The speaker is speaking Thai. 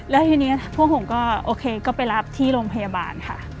แล้วทีนี้พวกผมก็โอเคก็ไปรับที่โรงพยาบาลค่ะ